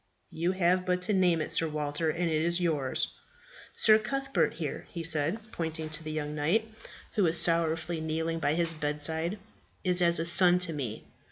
"You have but to name it, Sir Walter, and it is yours." "Sir Cuthbert, here," he said, pointing to the young knight, who was sorrowfully kneeling by his bedside, "is as a son to me.